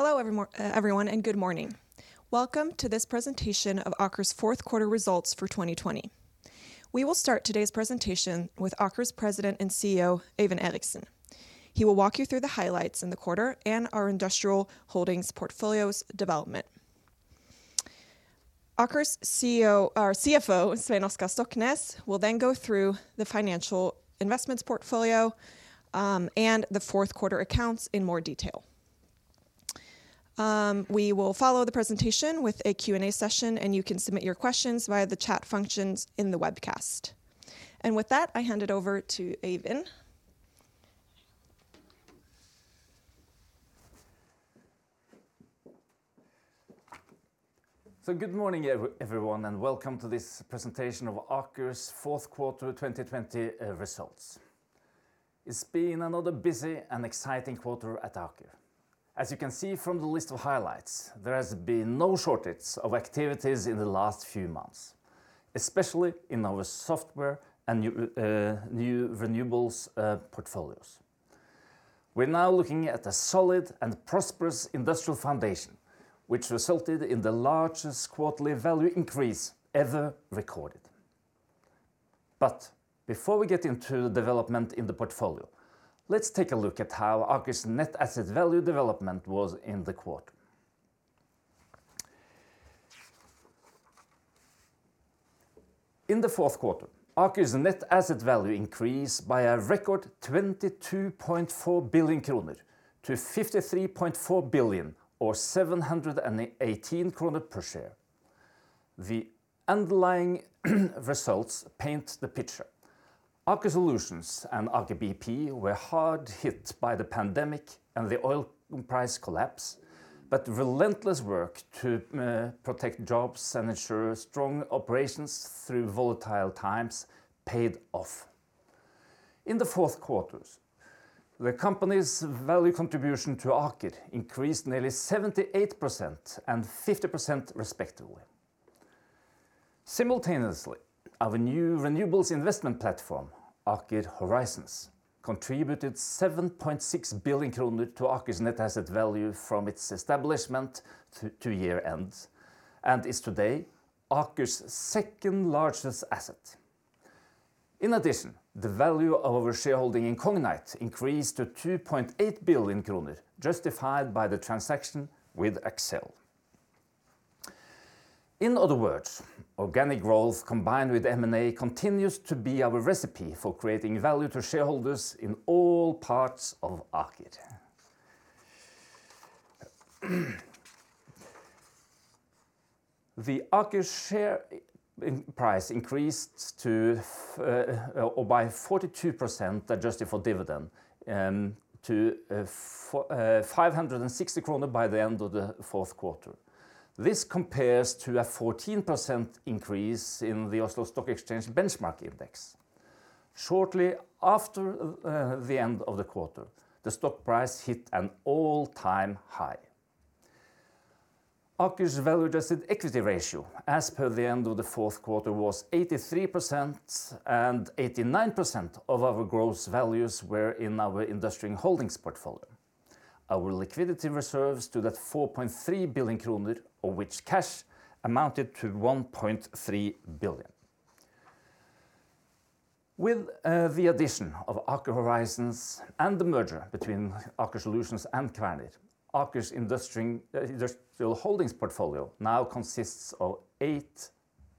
Hello everyone, and good morning. Welcome to this presentation of Aker's fourth quarter results for 2020. We will start today's presentation with Aker's President and CEO, Øyvind Eriksen. He will walk you through the highlights in the quarter and our industrial holdings portfolio's development. Aker's CFO, Svein Oskar Stoknes, will then go through the financial investments portfolio and the fourth quarter accounts in more detail. We will follow the presentation with a Q&A session, and you can submit your questions via the chat functions in the webcast. With that, I hand it over to Øyvind. Good morning everyone. Welcome to this presentation of Aker's fourth quarter 2020 results. It's been another busy and exciting quarter at Aker. As you can see from the list of highlights, there has been no shortage of activities in the last few months, especially in our software and new renewables portfolios. We are now looking at a solid and prosperous industrial foundation, which resulted in the largest quarterly value increase ever recorded. Before we get into the development in the portfolio, let's take a look at how Aker's net asset value development was in the quarter. In the fourth quarter, Aker's net asset value increased by a record 22.4 billion-53.4 billion kroner or 718 kroner per share. The underlying results paint the picture. Aker Solutions and Aker BP were hard hit by the pandemic and the oil price collapse. Relentless work to protect jobs and ensure strong operations through volatile times paid off. In the fourth quarters, the company's value contribution to Aker increased nearly 78% and 50% respectively. Simultaneously, our new renewables investment platform, Aker Horizons, contributed 7.6 billion kroner to Aker's net asset value from its establishment to year-end, and is today Aker's second-largest asset. In addition, the value of our shareholding in Cognite increased to 2.8 billion kroner, justified by the transaction with Accel. In other words, organic growth combined with M&A continues to be our recipe for creating value to shareholders in all parts of Aker. The Aker share price increased by 42%, adjusted for dividend, to 560 kroner by the end of the fourth quarter. This compares to a 14% increase in the Oslo Stock Exchange benchmark index. Shortly after the end of the quarter, the stock price hit an all-time high. Aker's value adjusted equity ratio as per the end of the fourth quarter was 83%, and 89% of our gross values were in our industrial holdings portfolio. Our liquidity reserves stood at 4.3 billion kroner of which cash amounted to 1.3 billion. With the addition of Aker Horizons and the merger between Aker Solutions and Planet, Aker's industrial holdings portfolio now consists of eight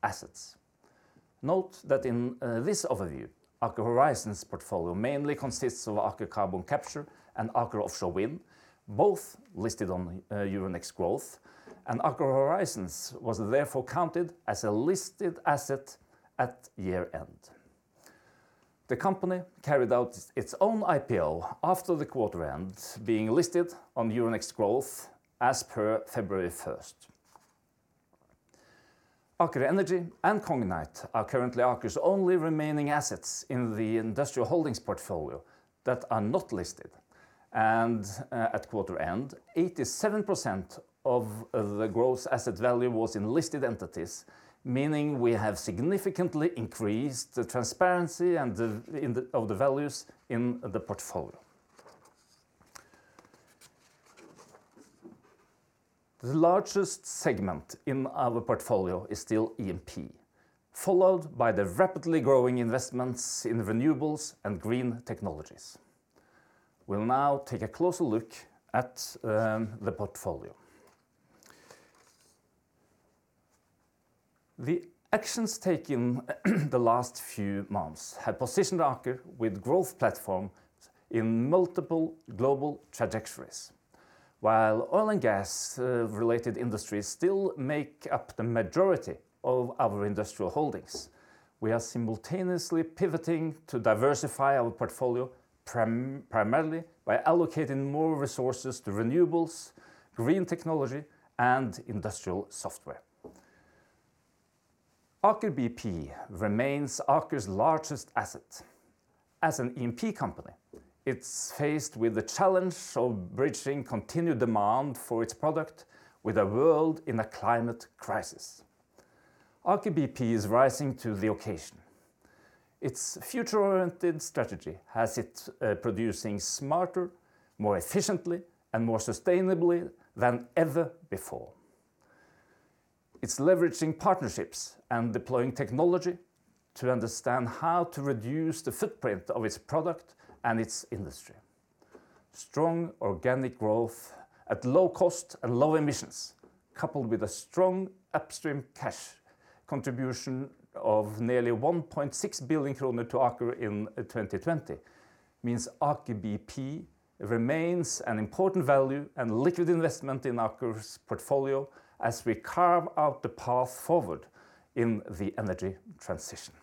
assets. Note that in this overview, Aker Horizons portfolio mainly consists of Aker Carbon Capture and Aker Offshore Wind, both listed on Euronext Growth, and Aker Horizons was therefore counted as a listed asset at year-end. The company carried out its own IPO after the quarter end, being listed on Euronext Growth as per February 1st. Aker Energy and Cognite are currently Aker's only remaining assets in the industrial holdings portfolio that are not listed. At quarter end, 87% of the gross asset value was in listed entities, meaning we have significantly increased the transparency of the values in the portfolio. The largest segment in our portfolio is still E&P, followed by the rapidly growing investments in renewables and green technologies. We'll now take a closer look at the portfolio. The actions taken the last few months have positioned Aker with growth platforms in multiple global trajectories. While oil and gas related industries still make up the majority of our industrial holdings, we are simultaneously pivoting to diversify our portfolio primarily by allocating more resources to renewables, green technology, and industrial software. Aker BP remains Aker's largest asset. As an E&P company, it's faced with the challenge of bridging continued demand for its product with a world in a climate crisis. Aker BP is rising to the occasion. Its future-oriented strategy has it producing smarter, more efficiently, and more sustainably than ever before. It's leveraging partnerships and deploying technology to understand how to reduce the footprint of its product and its industry. Strong organic growth at low cost and low emissions, coupled with a strong upstream cash contribution of nearly 1.6 billion kroner to Aker in 2020, means Aker BP remains an important value and liquid investment in Aker's portfolio as we carve out the path forward in the energy transition.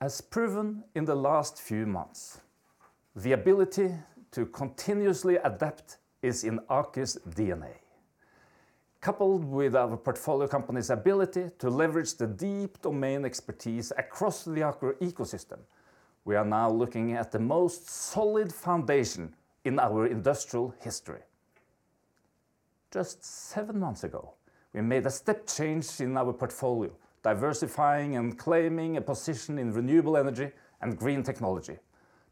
As proven in the last few months, the ability to continuously adapt is in Aker's DNA. Coupled with our portfolio company's ability to leverage the deep domain expertise across the Aker ecosystem, we are now looking at the most solid foundation in our industrial history. Just seven months ago, we made a step change in our portfolio, diversifying and claiming a position in renewable energy and green technology,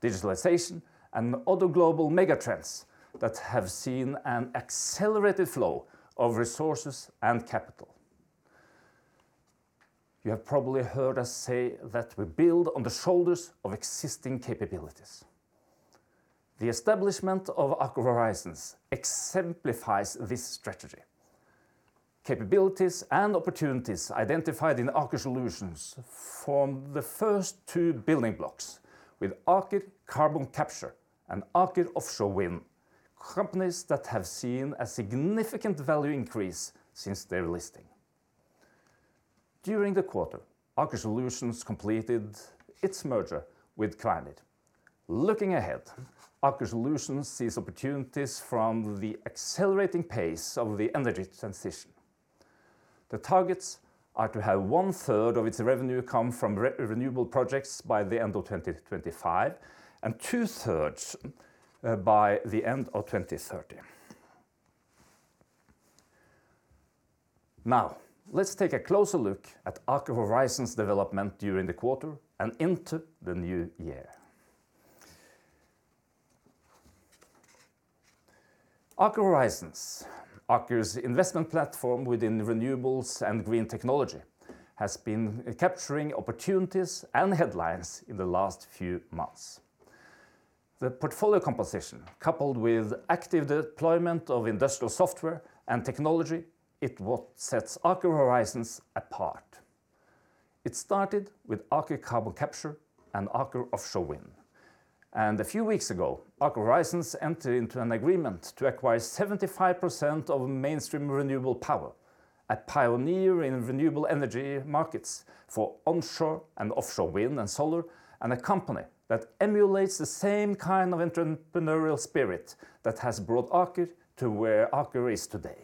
digitalization, and other global mega trends that have seen an accelerated flow of resources and capital. You have probably heard us say that we build on the shoulders of existing capabilities. The establishment of Aker Horizons exemplifies this strategy. Capabilities and opportunities identified in Aker Solutions formed the first two building blocks with Aker Carbon Capture and Aker Offshore Wind, companies that have seen a significant value increase since their listing. During the quarter, Aker Solutions completed its merger with Kværner. Looking ahead, Aker Solutions sees opportunities from the accelerating pace of the energy transition. The targets are to have 1/3 of its revenue come from renewable projects by the end of 2025, and 2/3 by the end of 2030. Now, let's take a closer look at Aker Horizons development during the quarter and into the new year. Aker Horizons, Aker's investment platform within renewables and green technology, has been capturing opportunities and headlines in the last few months. The portfolio composition, coupled with active deployment of industrial software and technology, it what sets Aker Horizons apart. It started with Aker Carbon Capture and Aker Offshore Wind. A few weeks ago, Aker Horizons entered into an agreement to acquire 75% of Mainstream Renewable Power, a pioneer in renewable energy markets for onshore and offshore wind and solar, and a company that emulates the same kind of entrepreneurial spirit that has brought Aker to where Aker is today.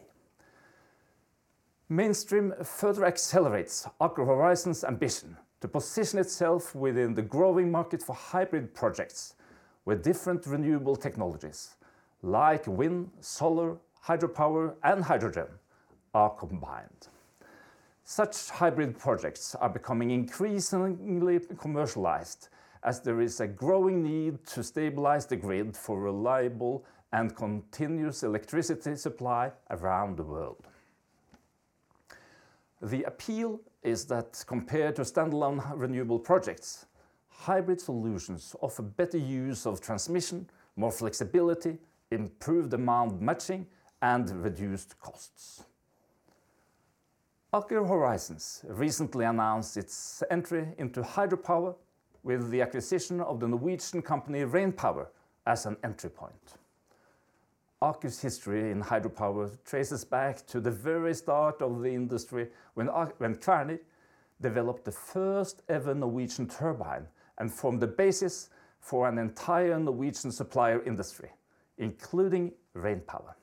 Mainstream further accelerates Aker Horizons ambition to position itself within the growing market for hybrid projects with different renewable technologies like wind, solar, hydropower, and hydrogen are combined. Such hybrid projects are becoming increasingly commercialized as there is a growing need to stabilize the grid for reliable and continuous electricity supply around the world. The appeal is that compared to standalone renewable projects, hybrid solutions offer better use of transmission, more flexibility, improved demand matching, and reduced costs. Aker Horizons recently announced its entry into hydropower with the acquisition of the Norwegian company, Rainpower, as an entry point. Aker's history in hydropower traces back to the very start of the industry when Kværner developed the first-ever Norwegian turbine and formed the basis for an entire Norwegian supplier industry, including Rainpower.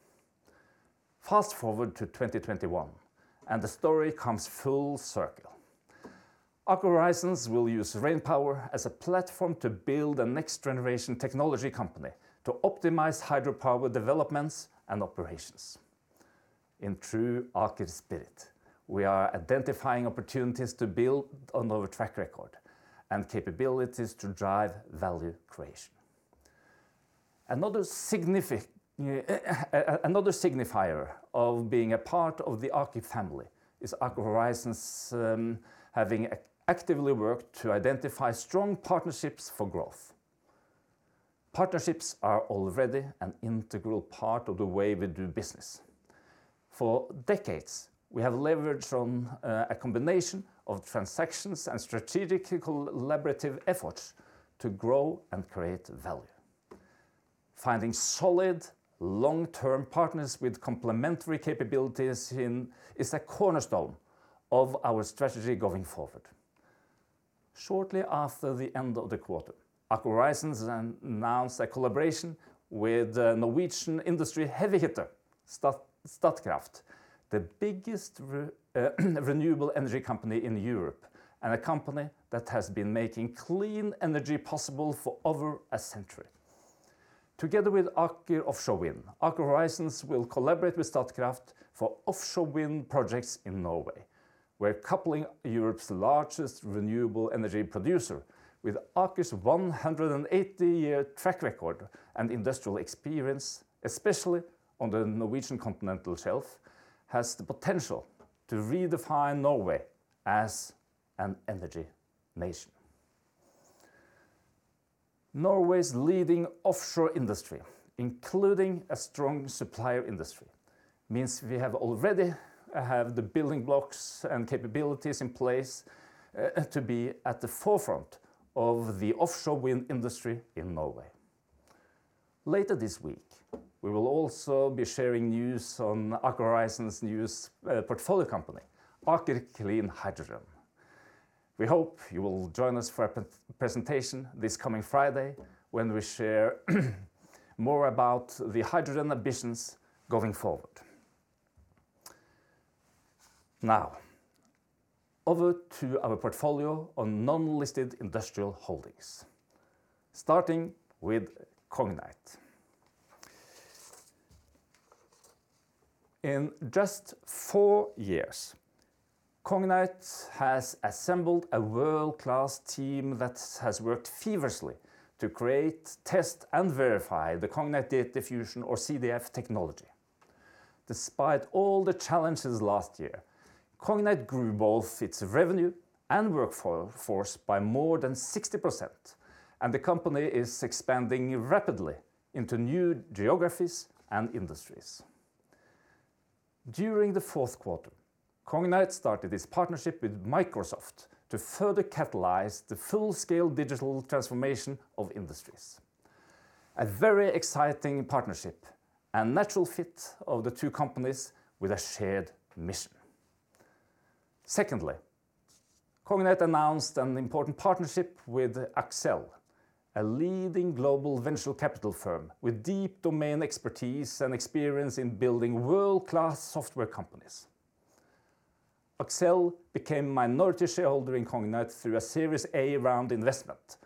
Fast-forward to 2021, and the story comes full circle. Aker Horizons will use Rainpower as a platform to build a next-generation technology company to optimize hydropower developments and operations. In true Aker spirit, we are identifying opportunities to build on our track record and capabilities to drive value creation. Another signifier of being a part of the Aker family is Aker Horizons having actively worked to identify strong partnerships for growth. Partnerships are already an integral part of the way we do business. For decades, we have leveraged from a combination of transactions and strategic collaborative efforts to grow and create value. Finding solid long-term partners with complementary capabilities is a cornerstone of our strategy going forward. Shortly after the end of the quarter, Aker Horizons announced a collaboration with Norwegian industry heavy hitter, Statkraft, the biggest renewable energy company in Europe, and a company that has been making clean energy possible for over a century. Together with Aker Offshore Wind, Aker Horizons will collaborate with Statkraft for offshore wind projects in Norway. We're coupling Europe's largest renewable energy producer with Aker's 180-year track record and industrial experience, especially on the Norwegian continental shelf, has the potential to redefine Norway as an energy nation. Norway's leading offshore industry, including a strong supplier industry, means we already have the building blocks and capabilities in place to be at the forefront of the offshore wind industry in Norway. Later this week, we will also be sharing news on Aker Horizons' newest portfolio company, Aker Clean Hydrogen. We hope you will join us for a presentation this coming Friday when we share more about the hydrogen ambitions going forward. Over to our portfolio on non-listed industrial holdings, starting with Cognite. In just four years, Cognite has assembled a world-class team that has worked feverishly to create, test, and verify the Cognite Data Fusion, or CDF, technology. Despite all the challenges last year, Cognite grew both its revenue and workforce by more than 60%, and the company is expanding rapidly into new geographies and industries. During the fourth quarter, Cognite started its partnership with Microsoft to further catalyze the full-scale digital transformation of industries, a very exciting partnership and natural fit of the two companies with a shared mission. Secondly, Cognite announced an important partnership with Accel, a leading global venture capital firm with deep domain expertise and experience in building world-class software companies. Accel became minority shareholder in Cognite through a Series A round investment.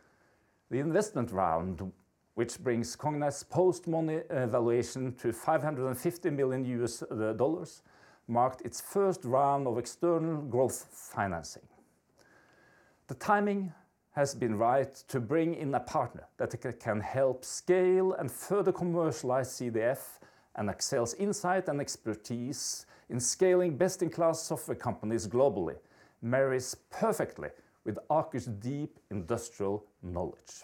The investment round, which brings Cognite's post-money valuation to $550 million, marked its first round of external growth financing. The timing has been right to bring in a partner that can help scale and further commercialize CDF, and Accel's insight and expertise in scaling best-in-class software companies globally marries perfectly with Aker's deep industrial knowledge.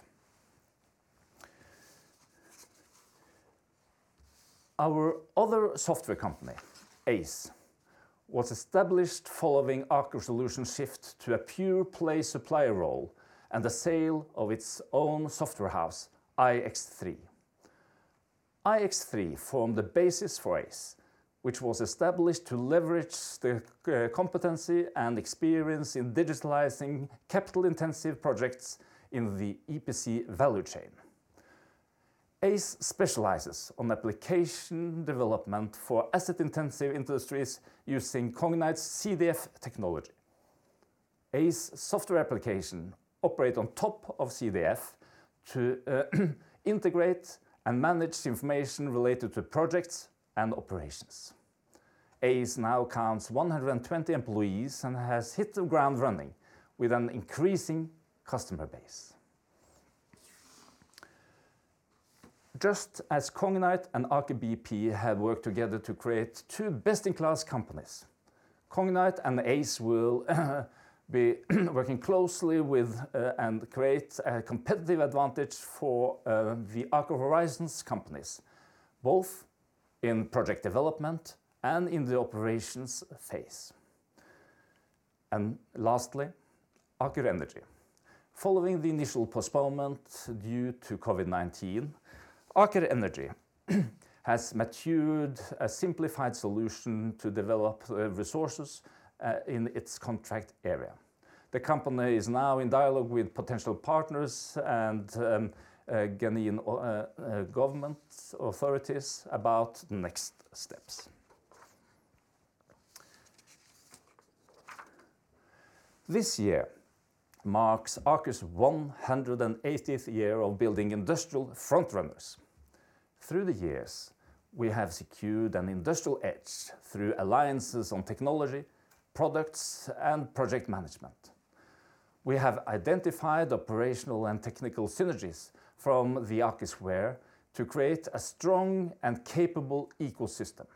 Our other software company, Aize, was established following Aker Solutions' shift to a pure play supplier role and the sale of its own software house, ix3. ix3 formed the basis for Aize, which was established to leverage the competency and experience in digitalizing capital-intensive projects in the EPC value chain. Aize specializes on application development for asset-intensive industries using Cognite's CDF technology. Aize software application operate on top of CDF to integrate and manage the information related to projects and operations. Aize now counts 120 employees and has hit the ground running with an increasing customer base. Just as Cognite and Aker BP have worked together to create two best-in-class companies, Cognite and Accel will be working closely with and create a competitive advantage for the Aker Horizons companies, both in project development and in the operations phase. Lastly, Aker Energy. Following the initial postponement due to COVID-19, Aker Energy has matured a simplified solution to develop resources in its contract area. The company is now in dialogue with potential partners and Ghanaian government authorities about next steps. This year marks Aker's 180th year of building industrial frontrunners. Through the years, we have secured an industrial edge through alliances on technology, products, and project management. We have identified operational and technical synergies from the Aker sphere to create a strong and capable ecosystem.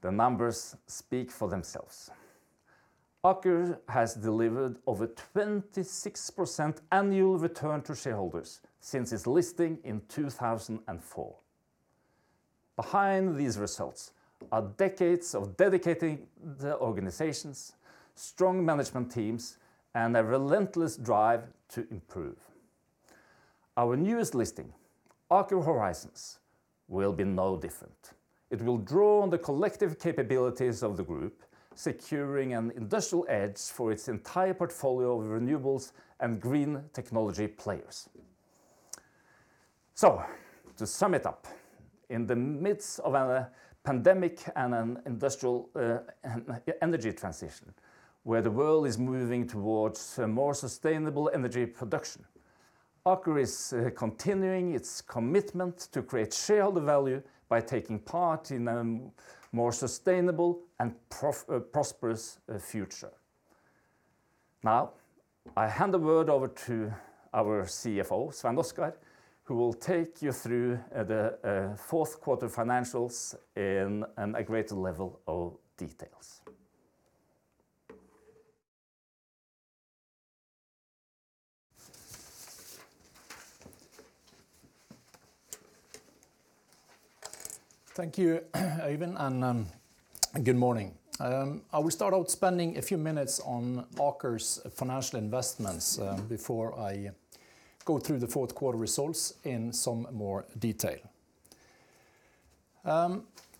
The numbers speak for themselves. Aker has delivered over 26% annual return to shareholders since its listing in 2004. Behind these results are decades of dedicating the organizations, strong management teams, and a relentless drive to improve. Our newest listing, Aker Horizons, will be no different. It will draw on the collective capabilities of the group, securing an industrial edge for its entire portfolio of renewables and green technology players. To sum it up, in the midst of a pandemic and an industrial energy transition where the world is moving towards more sustainable energy production, Aker is continuing its commitment to create shareholder value by taking part in a more sustainable and prosperous future. Now, I hand the word over to our CFO, Svein Oskar, who will take you through the fourth quarter financials in a greater level of details. Thank you, Øyvind, and good morning. I will start out spending a few minutes on Aker's financial investments before I go through the fourth quarter results in some more detail.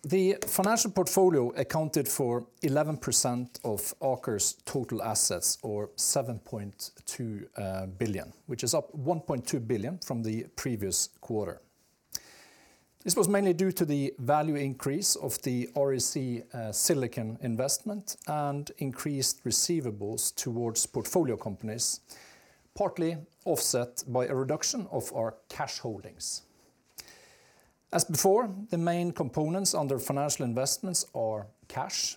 The financial portfolio accounted for 11% of Aker's total assets, or 7.2 billion, which is up 1.2 billion from the previous quarter. This was mainly due to the value increase of the REC Silicon investment and increased receivables towards portfolio companies, partly offset by a reduction of our cash holdings. As before, the main components under financial investments are cash,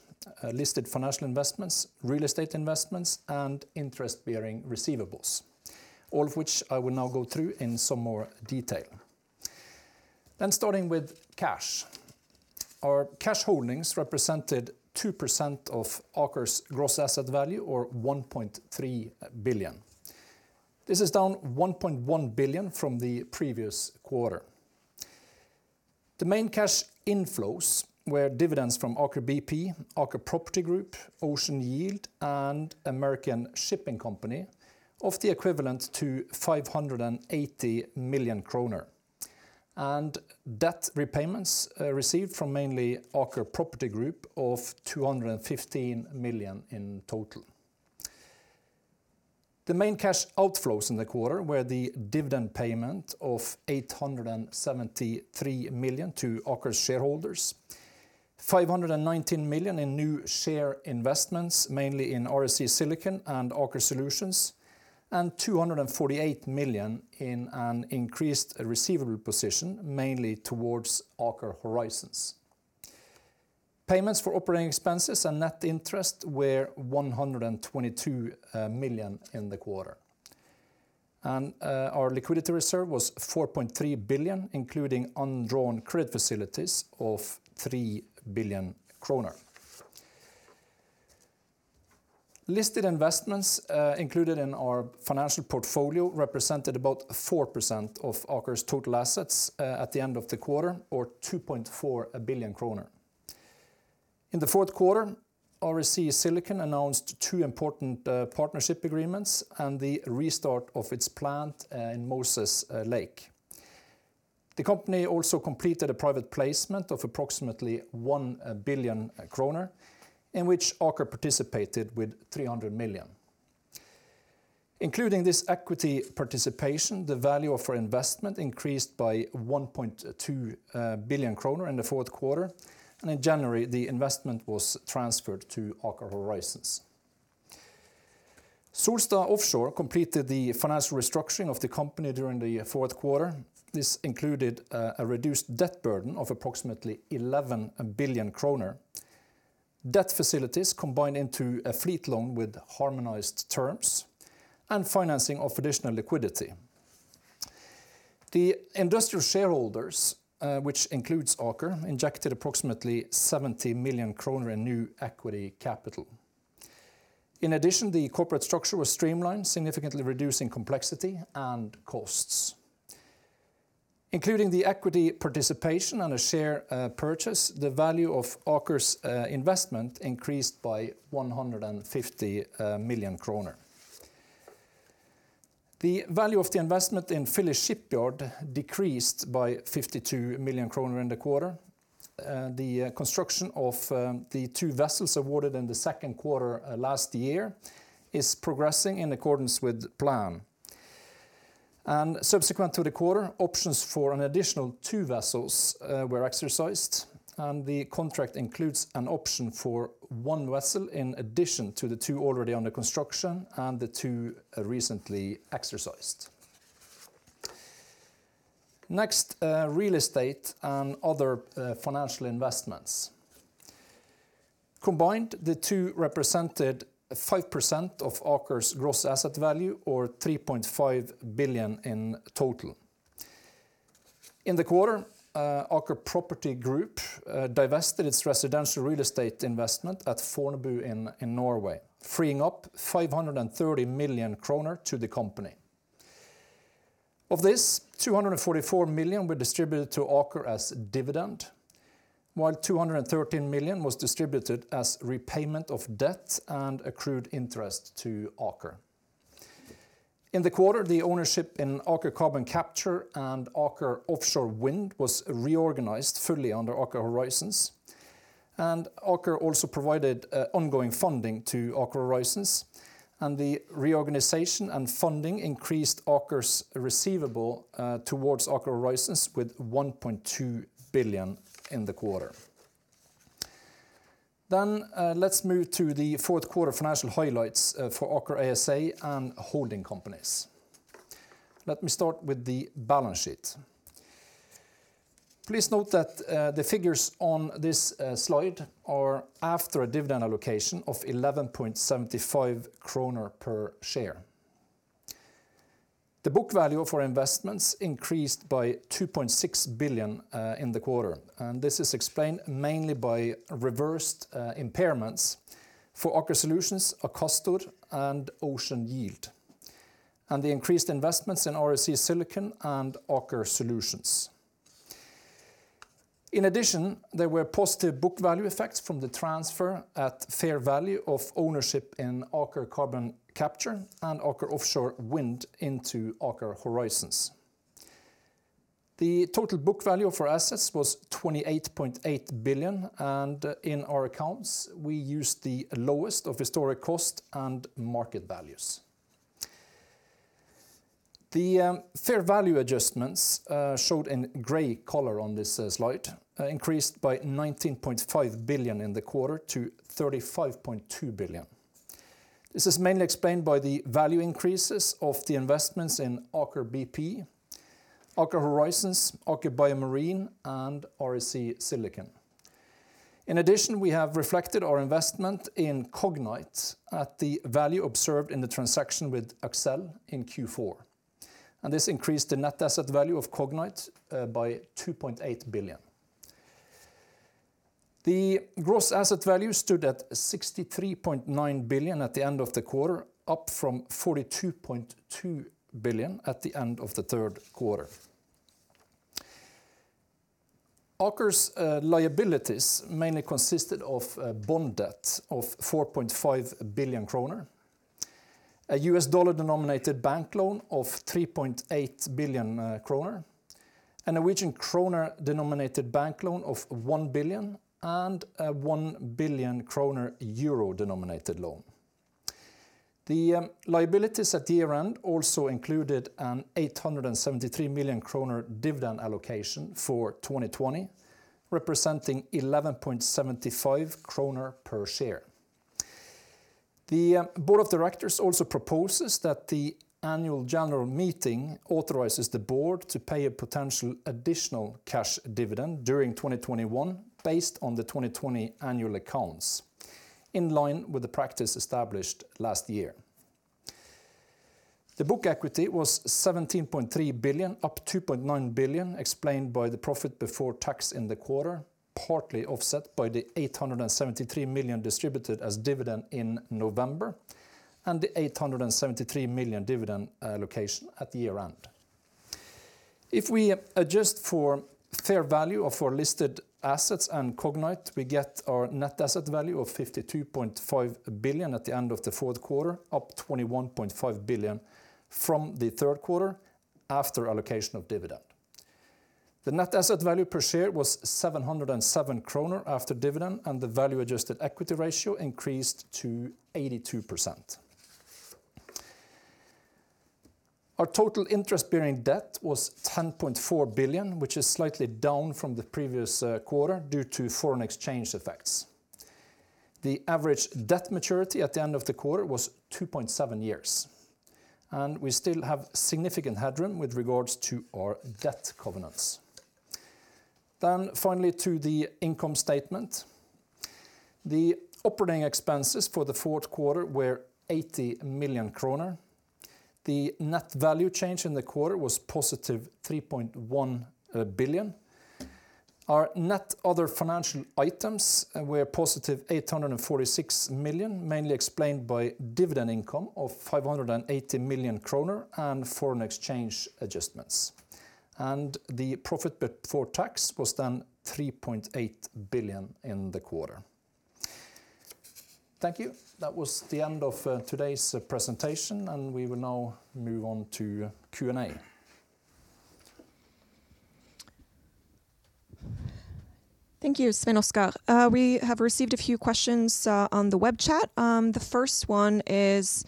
listed financial investments, real estate investments, and interest-bearing receivables. All of which I will now go through in some more detail. Starting with cash. Our cash holdings represented 2% of Aker's gross asset value, or 1.3 billion. This is down 1.1 billion from the previous quarter. The main cash inflows were dividends from Aker BP, Aker Property Group, Ocean Yield, and American Shipping Company of the equivalent to 580 million kroner. Debt repayments received from mainly Aker Property Group of 215 million in total. The main cash outflows in the quarter were the dividend payment of 873 million to Aker shareholders, 519 million in new share investments, mainly in REC Silicon and Aker Solutions, and 248 million in an increased receivable position, mainly towards Aker Horizons. Payments for operating expenses and net interest were 122 million in the quarter. Our liquidity reserve was 4.3 billion, including undrawn credit facilities of NOK 3 billion. Listed investments included in our financial portfolio represented about 4% of Aker's total assets at the end of the quarter, or 2.4 billion kroner. In the fourth quarter, REC Silicon announced two important partnership agreements and the restart of its plant in Moses Lake. The company also completed a private placement of approximately 1 billion kroner, in which Aker participated with 300 million. Including this equity participation, the value of our investment increased by 1.2 billion kroner in the fourth quarter. In January, the investment was transferred to Aker Horizons. Solstad Offshore completed the financial restructuring of the company during the fourth quarter. This included a reduced debt burden of approximately 11 billion kroner. Debt facilities combined into a fleet loan with harmonized terms and financing of additional liquidity. The industrial shareholders, which includes Aker, injected approximately 70 million kroner in new equity capital. In addition, the corporate structure was streamlined, significantly reducing complexity and costs. Including the equity participation and a share purchase, the value of Aker's investment increased by 150 million kroner. The value of the investment in Philly Shipyard decreased by 52 million kroner in the quarter. The construction of the two vessels awarded in the second quarter last year is progressing in accordance with plan. Subsequent to the quarter, options for an additional two vessels were exercised, and the contract includes an option for one vessel in addition to the two already under construction and the two recently exercised. Next, real estate and other financial investments. Combined, the two represented 5% of Aker's gross asset value, or 3.5 billion in total. In the quarter, Aker Property Group divested its residential real estate investment at Fornebu in Norway, freeing up 530 million kroner to the company. Of this, 244 million were distributed to Aker as dividend. 213 million was distributed as repayment of debts and accrued interest to Aker. In the quarter, the ownership in Aker Carbon Capture and Aker Offshore Wind was reorganized fully under Aker Horizons, and Aker also provided ongoing funding to Aker Horizons, and the reorganization and funding increased Aker's receivable towards Aker Horizons with 1.2 billion in the quarter. Let's move to the fourth quarter financial highlights for Aker ASA and holding companies. Let me start with the balance sheet. Please note that the figures on this slide are after a dividend allocation of 11.75 kroner per share. The book value for investments increased by 2.6 billion in the quarter. This is explained mainly by reversed impairments for Aker Solutions, Akastor, and Ocean Yield, and the increased investments in REC Silicon and Aker Solutions. In addition, there were positive book value effects from the transfer at fair value of ownership in Aker Carbon Capture and Aker Offshore Wind into Aker Horizons. The total book value for assets was 28.8 billion, and in our accounts we used the lowest of historic cost and market values. The fair value adjustments, showed in gray color on this slide, increased by 19.5 billion in the quarter to 35.2 billion. This is mainly explained by the value increases of the investments in Aker BP, Aker Horizons, Aker BioMarine, and REC Silicon. In addition, we have reflected our investment in Cognite at the value observed in the transaction with Accel in Q4, and this increased the net asset value of Cognite by 2.8 billion. The gross asset value stood at 63.9 billion at the end of the quarter, up from 42.2 billion at the end of the third quarter. Aker's liabilities mainly consisted of bond debt of 4.5 billion kroner, a US dollar-denominated bank loan of 3.8 billion kroner, a Norwegian kroner-denominated bank loan of 1 billion, and a 1 billion kroner Euro-denominated loan. The liabilities at year-end also included a 873 million kroner dividend allocation for 2020, representing 11.75 kroner per share. The Board of Directors also proposes that the annual general meeting authorizes the board to pay a potential additional cash dividend during 2021 based on the 2020 annual accounts, in line with the practice established last year. The book equity was 17.3 billion, up 2.9 billion, explained by the profit before tax in the quarter, partly offset by the 873 million distributed as dividend in November and the 873 million dividend allocation at year-end. If we adjust for fair value of our listed assets and Cognite, we get our net asset value of 52.5 billion at the end of the fourth quarter, up 21.5 billion from the third quarter after allocation of dividend. The net asset value per share was 707 kroner after dividend, and the value adjusted equity ratio increased to 82%. Our total interest-bearing debt was 10.4 billion, which is slightly down from the previous quarter due to foreign exchange effects. The average debt maturity at the end of the quarter was 2.7 years, and we still have significant headroom with regards to our debt covenants. Finally, to the income statement. The operating expenses for the fourth quarter were 80 million kroner. The net value change in the quarter was +3.1 billion. Our net other financial items were +846 million, mainly explained by dividend income of 580 million kroner and foreign exchange adjustments. The profit before tax was then 3.8 billion in the quarter. Thank you. That was the end of today's presentation, and we will now move on to Q&A. Thank you, Svein Oskar. We have received a few questions on the web chat. The first one is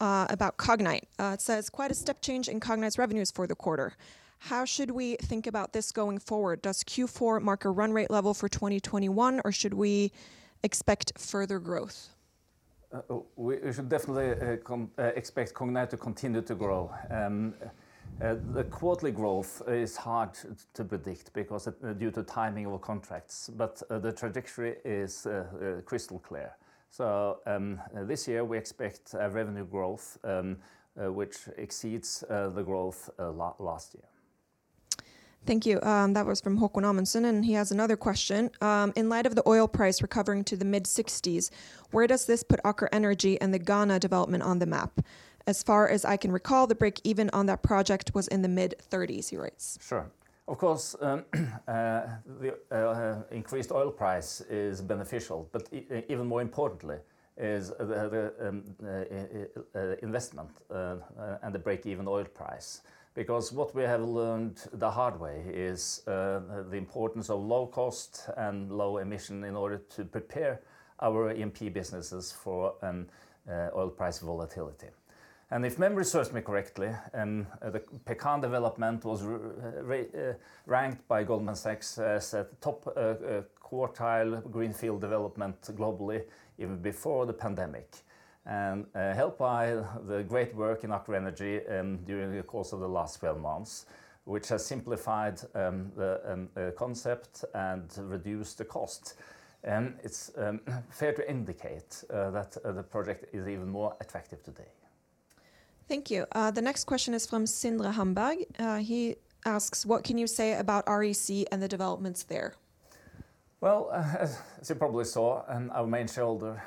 about Cognite. It says, "Quite a step change in Cognite's revenues for the quarter. How should we think about this going forward? Does Q4 mark a run rate level for 2021, or should we expect further growth? We should definitely expect Cognite to continue to grow. The quarterly growth is hard to predict because due to timing of contracts, but the trajectory is crystal clear. This year we expect revenue growth which exceeds the growth last year. Thank you. That was from Haakon Amundsen, and he has another question. "In light of the oil price recovering to the mid-60s, where does this put Aker Energy and the Ghana development on the map? As far as I can recall, the break-even on that project was in the mid-30s," he writes. Sure. Of course, increased oil price is beneficial, but even more importantly is the investment and the break-even oil price. What we have learned the hard way is the importance of low cost and low emission in order to prepare our E&P businesses for an oil price volatility. If memory serves me correctly, the Pecan development was ranked by Goldman Sachs as a top quartile greenfield development globally, even before the pandemic, helped by the great work in Aker Energy during the course of the last 12 months, which has simplified the concept and reduced the cost. It's fair to indicate that the project is even more attractive today. Thank you. The next question is from Sindre Hamborg. He asks, "What can you say about REC and the developments there? Well, as you probably saw, our main shareholder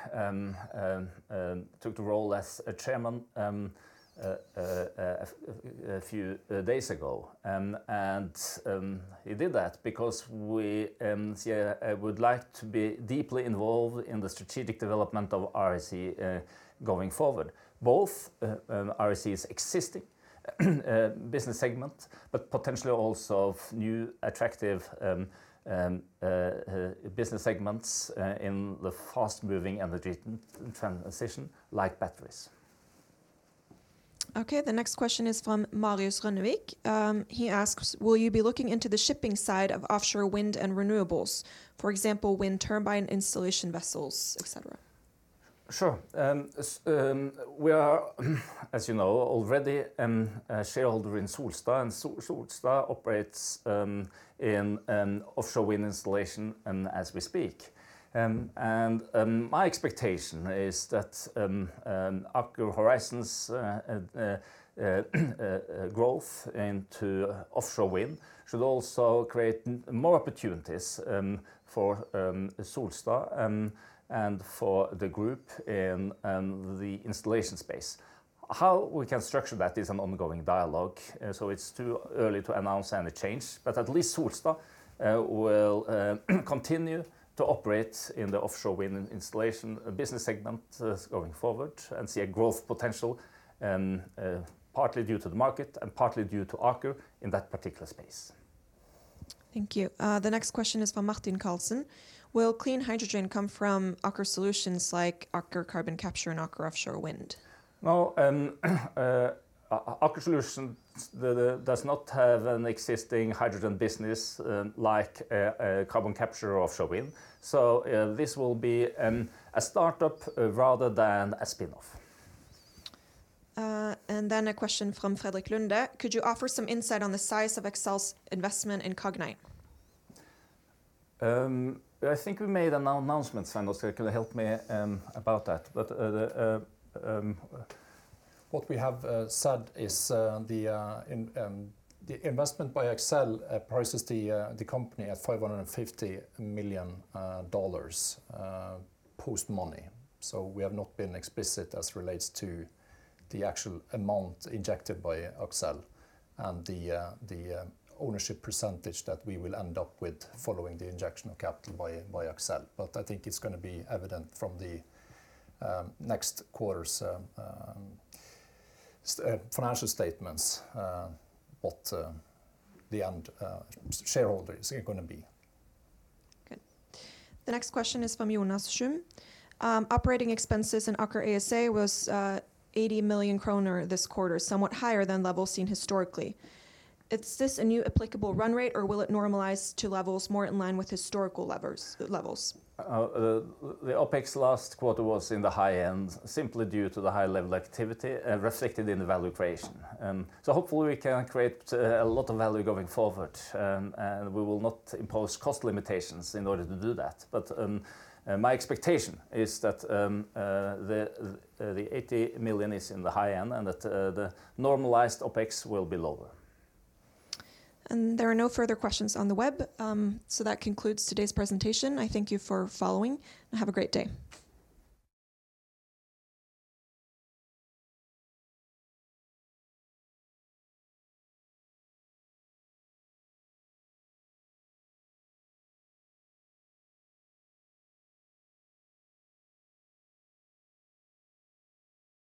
took the role as Chairman a few days ago. He did that because we would like to be deeply involved in the strategic development of REC going forward, both REC's existing business segment, but potentially also of new attractive business segments in the fast-moving energy transition, like batteries. Okay. The next question is from Marius Rønnevik. He asks, "Will you be looking into the shipping side of offshore wind and renewables? For example, wind turbine installation vessels, et cetera. Sure. We are, as you know, already a shareholder in Solstad, and Solstad operates in offshore wind installation as we speak. My expectation is that Aker Horizons' growth into offshore wind should also create more opportunities for Solstad and for the group in the installation space. How we can structure that is an ongoing dialogue. It's too early to announce any change, but at least Solstad will continue to operate in the offshore wind installation business segment going forward and see a growth potential, partly due to the market and partly due to Aker in that particular space. Thank you. The next question is from Martin Carlsen. "Will clean hydrogen come from Aker Solutions like Aker Carbon Capture and Aker Offshore Wind? No. Aker Solutions does not have an existing hydrogen business like Carbon Capture or Offshore Wind. This will be a startup rather than a spinoff. A question from Frederik Lunde. "Could you offer some insight on the size of Accel's investment in Cognite? I think we made an announcement. Svein Oskar, could you help me about that? What we have said is the investment by Accel prices the company at $550 million post-money. We have not been explicit as relates to the actual amount injected by Accel and the ownership percentage that we will end up with following the injection of capital by Accel. I think it's going to be evident from the next quarter's financial statements what the end shareholders are going to be. Good. The next question is from Jonas Schym. "Operating expenses in Aker ASA was 80 million kroner this quarter, somewhat higher than levels seen historically. Is this a new applicable run rate, or will it normalize to levels more in line with historical levels? The OpEx last quarter was in the high end, simply due to the high level activity reflected in the value creation. Hopefully we can create a lot of value going forward, and we will not impose cost limitations in order to do that. My expectation is that the 80 million is in the high end and that the normalized OpEx will be lower. There are no further questions on the web. That concludes today's presentation. I thank you for following, and have a great day.